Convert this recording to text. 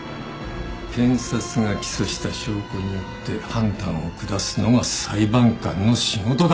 検察が起訴した証拠によって判断を下すのが裁判官の仕事だ。